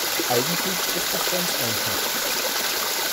Eigentlich ist es ganz einfach.